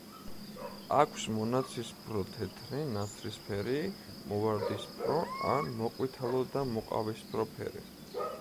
აქვს მონაცრისფრო-თეთრი, ნაცრისფერი, მოვარდისფრო, ან მოყვითალო და მოყავისფრო ფერი.